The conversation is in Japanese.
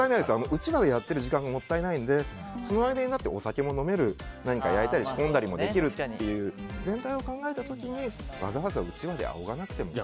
うちわをやっている時間がもったいないのでその間になって、お酒も飲める何か焼いたり仕込んだりもできるという全体を考えた時に、わざわざうちわであおがなくてもと。